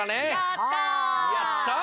やった！